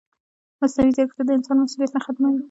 مصنوعي ځیرکتیا د انسان مسؤلیت نه ختموي.